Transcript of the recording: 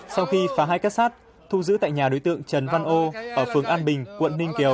sau khi phá hai kết sát thu giữ tại nhà đối tượng trần văn âu ở phường an bình quận ninh kiều